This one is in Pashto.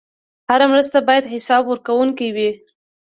هره مرسته باید حسابورکونکې وي.